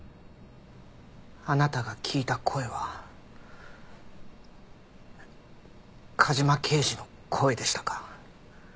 あなたが聞いた声は梶間刑事の声でしたか？